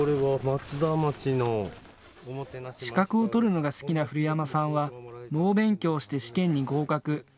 資格を取るのが好きな古山さんは猛勉強して試験に合格。